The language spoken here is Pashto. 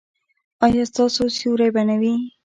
ایا ستاسو سیوری به نه وي؟